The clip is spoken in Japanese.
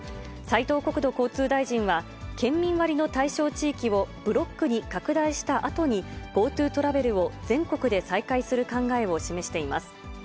斉藤国土交通大臣は、県民割の対象地域をブロックに拡大したあとにＧｏＴｏトラベルを全国で再開する考えを示しています。